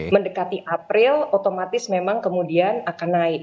mendekati april otomatis memang kemudian akan naik